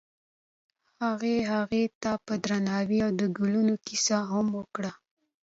هغه هغې ته په درناوي د ګلونه کیسه هم وکړه.